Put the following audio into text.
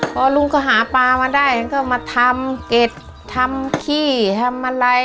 พอลุงก็หาปลามาได้ฉันก็มาทำเก็ดทำขี้ทำอะไร